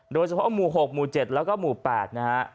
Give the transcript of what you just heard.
โดยเฉพาะหมู่หกหมู่เจ็ดแล้วก็หมู่แปดนะฮะ